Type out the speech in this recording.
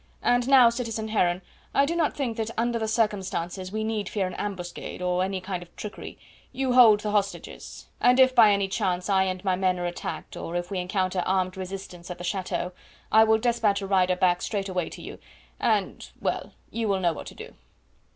And now, citizen Heron, I do not think that under the circumstances we need fear an ambuscade or any kind of trickery you hold the hostages. And if by any chance I and my men are attacked, or if we encounter armed resistance at the chateau, I will despatch a rider back straightway to you, and well, you will know what to do."